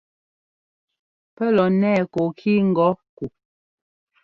Pɛ́ lɔ nɛɛ kɔɔkí ŋgɔ̌ ku?